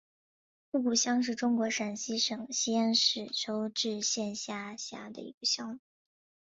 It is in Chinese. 竹峪乡是中国陕西省西安市周至县下辖的一个乡。